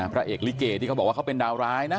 พระเอกลิเกที่เขาบอกว่าเขาเป็นดาวร้ายนะ